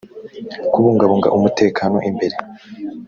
kubungabunga umutekano imbere